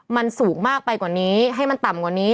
มันสูงมากไปกว่านี้ให้มันต่ำกว่านี้